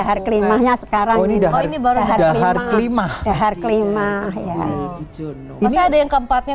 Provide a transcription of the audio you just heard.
dahar kelimahnya sekarang ini oh ini baru dahar kelimah dahar kelimah ya masa ada yang keempatnya